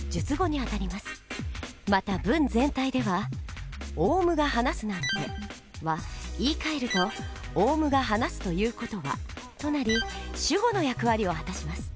また文全体では「オウムがはなすなんて」は言いかえると「オウムがはなすということは」となり主語の役割を果たします。